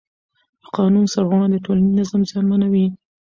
د قانون سرغړونه د ټولنیز نظم زیانمنوي